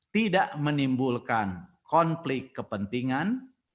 tidak menimbulkan konflik kepentingan